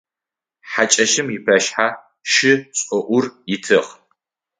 Хьакӏэщым ыпашъхьэ шышӏоӏур итыгъ.